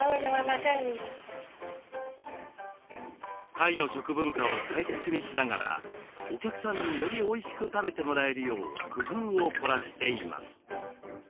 タイの食文化を大切にしながらお客さんによりおいしく食べてもらえるよう工夫を凝らしています。